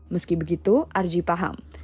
meski begitu arji paham